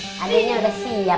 nah adeknya udah siap